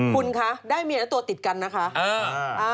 คุณคะได้เมียและตัวติดกันนะคะ